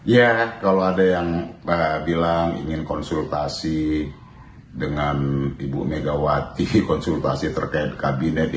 ya kalau ada yang bilang ingin konsultasi dengan ibu megawati konsultasi terkait kabinet